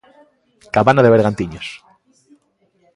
Cabana de Bergantiños.